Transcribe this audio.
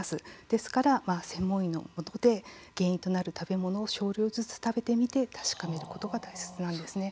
ですから専門医師のもとで原因となる食べ物を少量ずつ食べてみて確かめることが大切なんですね。